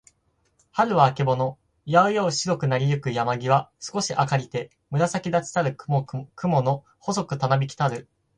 春はるは、あけぼの。やうやうしろくなりゆく山やまぎは、すこし明あかりて、紫むらさきだちたる雲くもの、細ほそくたなびきたる。